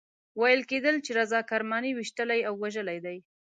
ویل کېدل چې رضا کرماني ویشتلی او وژلی دی.